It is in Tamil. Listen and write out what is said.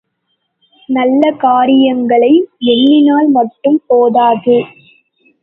நல்ல காரியங்களை எண்ணினால் மட்டும் போதாது.